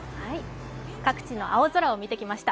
各地の青空を見てきました。